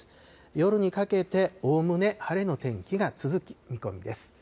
夜にかけておおむね晴れの天気が続く見込みです。